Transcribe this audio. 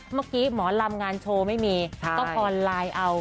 เมื่อกี้หมอลำงานโชว์ไม่มีก็พอไลน์เอา